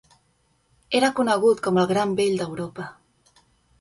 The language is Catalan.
Era conegut com "El gran vell d'Europa".